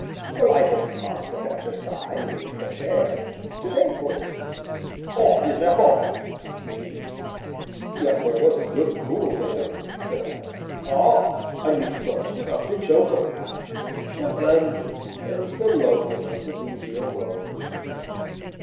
"A life of constant exercise, and fresh air; to day for instance " "'Ot as a hoven!" said he. "Yet there was a good, cool wind," said I. "Ah! an' with dust enough to choke a man! And then there's the loneliness o' these 'ere roads."